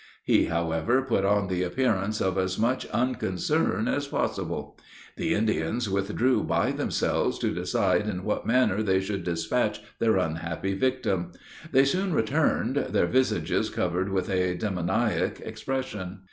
He, however, put on the appearance of as much unconcern as possible. The Indians withdrew by themselves to decide in what manner they should despatch their unhappy victim. They soon returned, their visages covered with a demoniac expression.